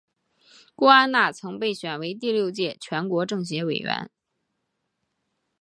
郭安娜曾被选为第六届全国政协委员。